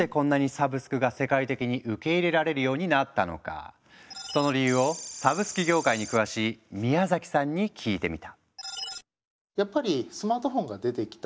でもその理由をサブスク業界に詳しい宮崎さんに聞いてみた。